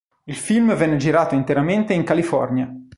Il film venne girato interamente in California.